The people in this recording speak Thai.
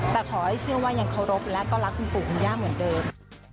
แต่ขอให้เชื่อว่ายังเคารพและก็รักคุณปู่คุณย่าเหมือนเดิม